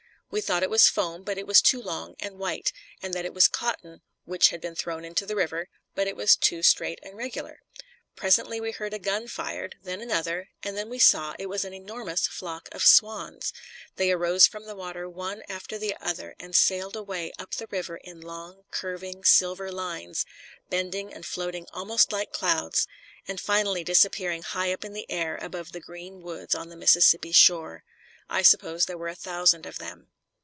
We thought it was foam, but it was too long and white, and that it was cotton which had been thrown into the river, but it was too straight and regular. Presently we heard a gun fired, then another, and then we saw it was an enormous flock of swans. They arose from the water one after the other, and sailed away up the river in long, curving, silver lines, bending and floating almost like clouds, and finally disappearing high up in the air above the green woods on the Mississippi shore. I suppose there were a thousand of them.